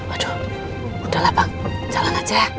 aduh udahlah bang jalan aja